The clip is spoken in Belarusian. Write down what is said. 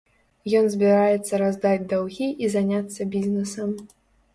Ён збіраецца раздаць даўгі і заняцца бізнесам.